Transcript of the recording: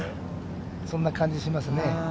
そんな感じがしますね。